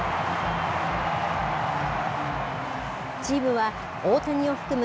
チームは大谷を含む